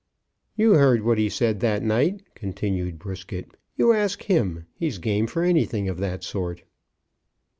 "You heard what he said that night," continued Brisket. "You ask him. He's game for anything of that sort."